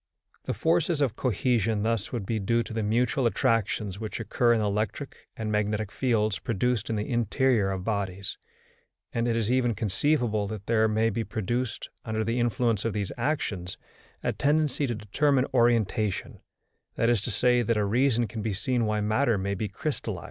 The forces of cohesion thus would be due to the mutual attractions which occur in the electric and magnetic fields produced in the interior of bodies; and it is even conceivable that there may be produced, under the influence of these actions, a tendency to determine orientation, that is to say, that a reason can be seen why matter may be crystallised.